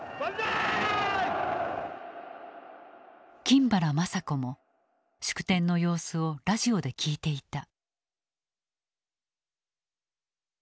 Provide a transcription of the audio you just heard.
金原まさ子も祝典の様子をラジオで聞いていた。